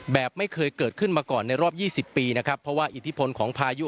แบบไม่เคยเกิดขึ้นมาก่อนในรอบ๒๐ปีนะครับเพราะว่าอิทธิพลของพายุ